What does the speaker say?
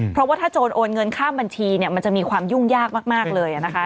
เพราะว่าถ้าโจรโอนเงินข้ามบัญชีเนี่ยมันจะมีความยุ่งยากมากเลยนะคะ